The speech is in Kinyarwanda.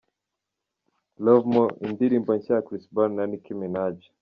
Love More, Indirimbo nshya ya Chris Brown na Nicki Minaj:.